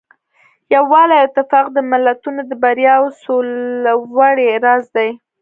یووالی او اتفاق د ملتونو د بریا او سرلوړۍ راز دی.